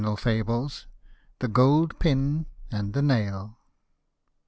120 FABLE XL THE GOLD PIN AND THE NAIL.